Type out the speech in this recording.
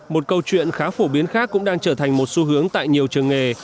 một câu chuyện khá phổ biến khác cũng đang trở thành một xu hướng tại nhiều trường nghề